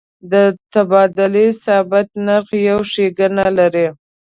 د تبادلې ثابت نرخ یو ښیګڼه لري.